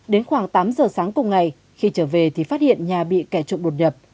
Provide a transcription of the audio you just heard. đến khoảng tám giờ sáng cùng ngày khi trở về thì phát hiện nhà bị kẻ trộm đột nhập